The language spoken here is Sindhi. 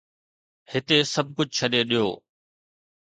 هتي سڀ ڪجهه ڇڏي ڏيو